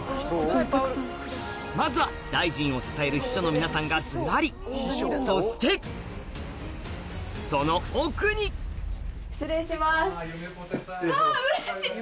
まずは大臣を支える秘書の皆さんがずらりそしてその奥にわうれしい！